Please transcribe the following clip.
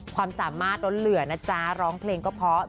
ความสามารถล้นเหลือนะจ๊ะร้องเพลงก็เพราะ